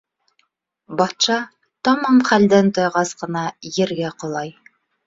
Батша, тамам хәлдән тайғас ҡына, ергә ҡолай.